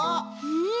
うん。